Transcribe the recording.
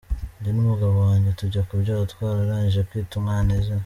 Njye n’umugabo wanjye tujya kubyara twararangije kwita umwana izina.